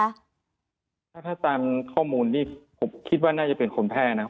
ถ้าตามข้อมูลนี่ผมคิดว่าน่าจะเป็นคนแพร่นะ